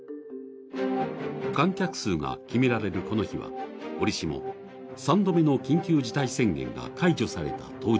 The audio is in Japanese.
観客数が決められるこの日は折しも緊急事態宣言が解除された当日。